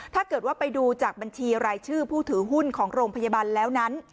ถ้าเกิดว่าไปดูจากบัญชีรายชื่อผู้ถือหุ้นของโรงพยาบาลแล้วนั้น